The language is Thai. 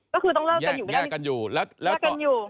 ก็คือต้องเลิกกันอยู่ไม่ได้แยกกันอยู่